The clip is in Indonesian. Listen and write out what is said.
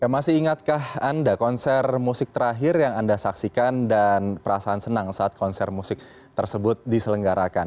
masih ingatkah anda konser musik terakhir yang anda saksikan dan perasaan senang saat konser musik tersebut diselenggarakan